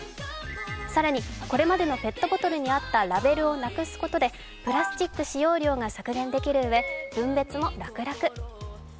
更にこれまでのペットボトルにあったラベルなくすことでプラスチック使用量が削減できるうえ、分別も楽々。